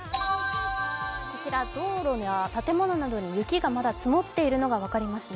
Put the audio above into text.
こちらは道路や建物などに雪が積もっているのが分かりますね。